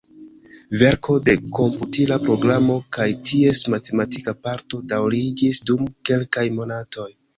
Verko de komputila programo kaj ties matematika parto daŭriĝis dum kelkaj monatoj.